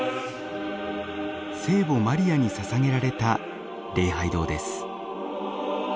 聖母マリアにささげられた礼拝堂です。